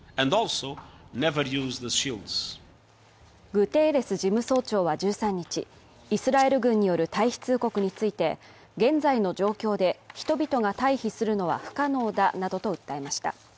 グテーレス事務総長は１３日、イスラエル軍による退避通告について現在の状況で人々が退避するのは不可能だなどと訴えました。